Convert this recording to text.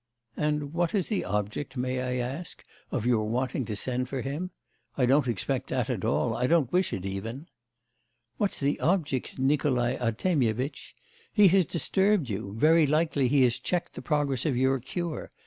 'And what is the object, may I ask, of your wanting to send for him? I don't expect that at all, I don't wish it even!' 'What's the object, Nikolai Artemyevitch? He has disturbed you; very likely he has checked the progress of your cure.